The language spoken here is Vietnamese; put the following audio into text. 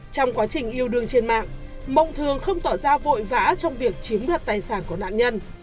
trong quá trình yêu đường trên mạng mộng thường không tỏ ra vội vã trong việc chiếm đoạt tài sản của nạn nhân